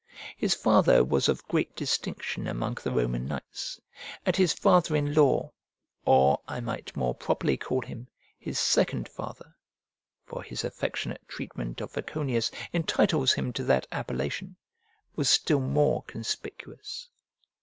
His father was of great distinction among the Roman knights, and his father in law, or, I might more properly call him, his second father, (for his affectionate treatment of Voconius entitles him to that appellation) was still more conspicuous.